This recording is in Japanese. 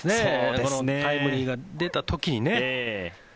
このタイムリーが出た時にね。